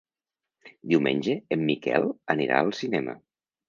Diumenge en Miquel anirà al cinema.